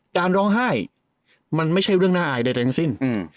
การร้องไห้มันไม่ใช่เรื่องน่าอายใดทั้งสิ้น